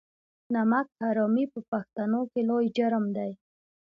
نمک حرامي په پښتنو کې لوی جرم دی.